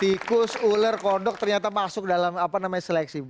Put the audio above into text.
tikus ular kodok ternyata masuk dalam apa namanya seleksi